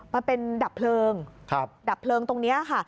มันเป็นดับเพลิงดับเพลิงตรงนี้ค่ะ